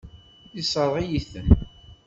Yessṛeɣ-iyi-ten.